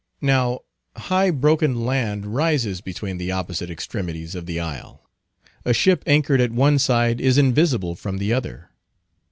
Now, high, broken land rises between the opposite extremities of the isle. A ship anchored at one side is invisible from the other.